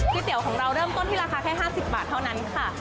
เตี๋ยวของเราเริ่มต้นที่ราคาแค่๕๐บาทเท่านั้นค่ะ